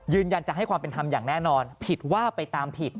ยืนยันจะให้ความเป็นธรรมอย่างแน่นอนผิดว่าไปตามผิด